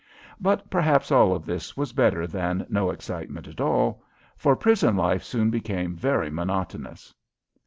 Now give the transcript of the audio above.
But perhaps all of this was better than no excitement at all, for prison life soon became very monotonous.